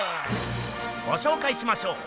ごしょうかいしましょう！